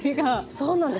そうなんです。